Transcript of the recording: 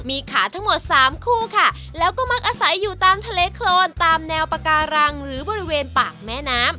มีขาทั้งหมดสามคู่ค่ะแล้วก็มักอาศัยอยู่ตามทะเลโครนตามแนวปาการังหรือบริเวณปากแม่น้ำ